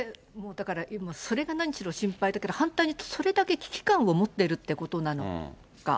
だから、それが何しろ心配、反対にそれだけ危機感を持ってるってことなのか。